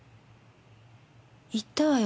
行ったわよ